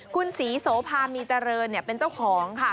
คุณศรีโสภามีเจริญเป็นเจ้าของค่ะ